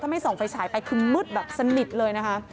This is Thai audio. ไม่ส่องไฟฉายไปคือมืดแบบสนิทเลยนะคะ